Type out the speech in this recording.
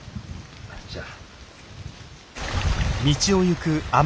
じゃあ。